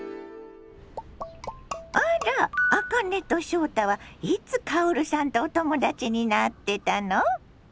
あらあかねと翔太はいつ薫さんとお友達になってたの？